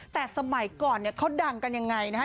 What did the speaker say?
แต่สมัยก่อนเนี่ยเขาดังกันยังไงนะฮะ